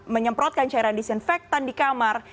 menyemprotkan cairan disinfektan di kamar